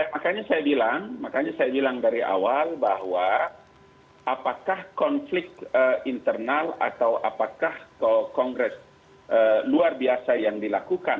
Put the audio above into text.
makanya saya bilang makanya saya bilang dari awal bahwa apakah konflik internal atau apakah kongres luar biasa yang dilakukan